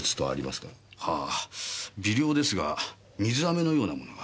はぁ微量ですが水飴のようなものが。